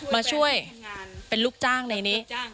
มาช่วยเป็นลูกจ้างในนี้